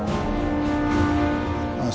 ああ